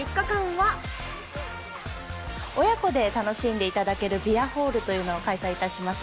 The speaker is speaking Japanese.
親子で楽しんでいただけるビアホールというのを開催いたします。